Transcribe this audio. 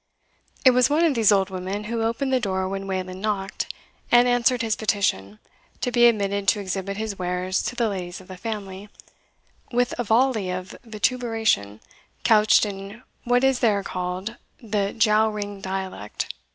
It was one of these old women who opened the door when Wayland knocked, and answered his petition, to be admitted to exhibit his wares to the ladies of the family, with a volley of vituperation, couched in what is there called the JOWRING dialect.